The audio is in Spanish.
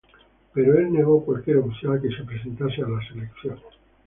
Pero el negó cualquier opción a que se presentase a las elecciones.